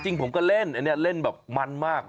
ผมก็เล่นอันนี้เล่นแบบมันมาก